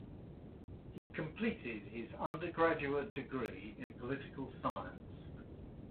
He completed his undergraduate degree in political science.